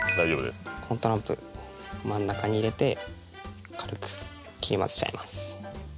このトランプ真ん中に入れて軽く切り混ぜちゃいます